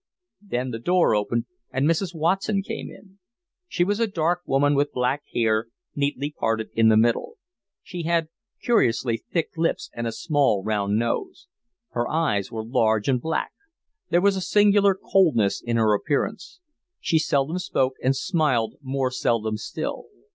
Then the door opened, and Mrs. Watson came in. She was a dark woman with black hair, neatly parted in the middle. She had curiously thick lips and a small round nose. Her eyes were large and black. There was a singular coldness in her appearance. She seldom spoke and smiled more seldom still.